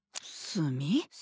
墨？